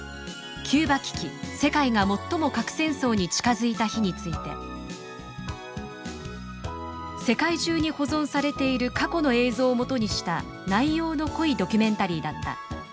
「キューバ危機世界が最も核戦争に近づいた日」について「世界中に保存されている過去の映像を基にした内容の濃いドキュメンタリーだった。